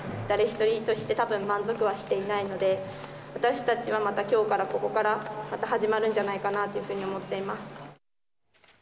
誰一人として、たぶん、満足はしていないので、私たちはまたきょうから、ここからまた始まるんじゃないかなって思っています。